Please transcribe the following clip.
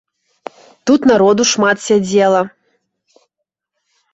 Тут народу шмат сядзела.